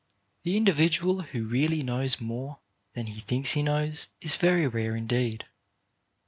The individual who really knows more than he thinks he knows is very rare indeed.